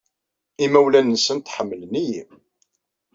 Imawlan-nsent ḥemmlen-iyi.